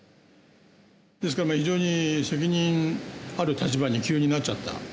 ですから非常に責任ある立場に急になっちゃったということで。